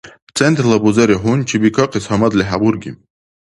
Центрла бузери гьунчибикахъес гьамадли хӀебурги?